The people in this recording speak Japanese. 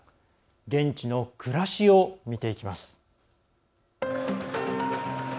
現地の暮らしを見ていきます。